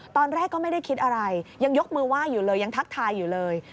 ตอนแรกก็ไม่ได้คิดอะไรยังยกมือไหว้อยู่เลยยังทักทายอยู่เลย